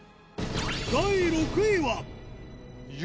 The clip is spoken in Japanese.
第６位は。